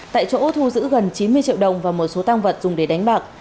tại chỗ thu giữ gần chín mươi triệu đồng và một số tăng vật dùng để đánh bạc